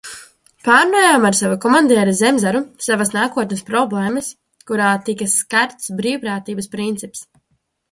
Pārrunājām ar savu komandieri Zemzaru savas nākotnes problēmas, kurās tika skarts brīvprātības princips.